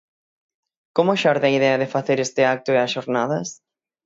Como xorde a idea de facer este acto e as xornadas?